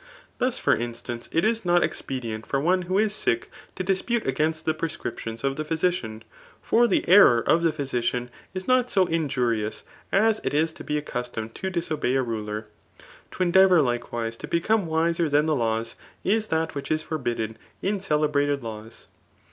Thus for instance, it k not e9q>edient for one who is sick to dispute against the prescriptions of the physician; for the error of the phy* adan is not so injurious, as it is to be accustomed t«^ disobey a ruler. To endeavour likewise to become wiser; dian the laws, is that which is forbidden in celebrated laws.